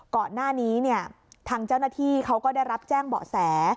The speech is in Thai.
ก่อนหน้านี้เนี่ยทางเจ้าหน้าที่เขาก็ได้รับแจ้งเบาะแส